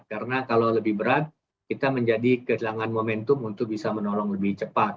karena kalau lebih berat kita menjadi kejelangan momentum untuk bisa menolong lebih cepat